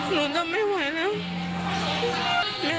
หนูจะไม่ไหวแล้ว